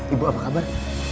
ibu apa kabar